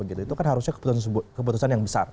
itu kan harusnya keputusan yang besar